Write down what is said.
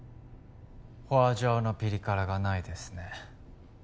ホアジャオのピリ辛がないですね